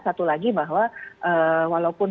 satu lagi bahwa walaupun